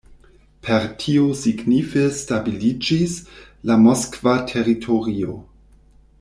Per tio signife stabiliĝis la moskva teritorio.